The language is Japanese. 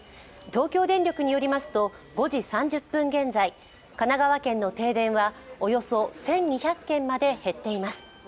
東京電力によりますと５時３０分現在神奈川県の停電はおよそ１２００軒まで減っています。